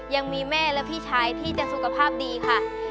ยังมีแม่และพี่ชายที่จะสุขภาพดีค่ะ